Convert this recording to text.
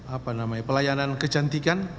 apa namanya pelayanan kecantikan